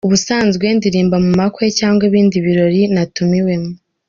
Ubusanzwe ndirimba mu makwe cyangwa ibindi birori natumiwemo.